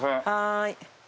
はい。